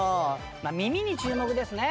まあ耳に注目ですね。